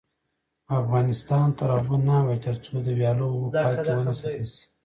افغانستان تر هغو نه ابادیږي، ترڅو د ویالو اوبه پاکې ونه ساتل شي.